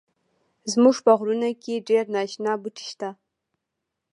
زمونږ په غرونو کښی ډیر ناشنا بوټی شته